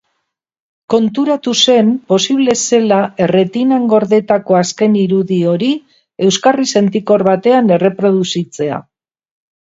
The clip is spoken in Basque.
Konturatu zen posible zela erretinan gordetako azken irudi hori euskarri sentikor batean erreproduzitzea.